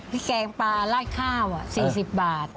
แกงปลาราดข้าว๔๐บาท